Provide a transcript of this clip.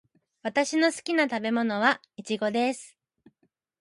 私の好きな食べ物はイチゴです。